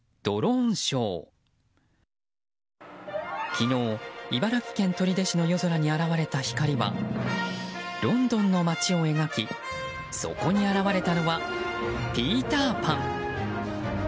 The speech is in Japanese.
昨日、茨城県取手市の夜空に現れた光はロンドンの街を描きそこに現れたのはピーター・パン。